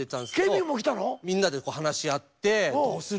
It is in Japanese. みんなで話し合って「どうする？